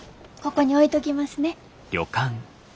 ここに置いときますね。